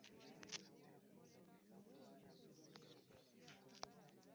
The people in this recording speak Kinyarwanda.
amara imyaka makumyabiri n’ibiri ari ku ngoma ya Isirayeli, atuye i Samariya